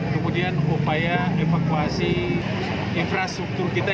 kemudian upaya evakuasi infrastruktur kita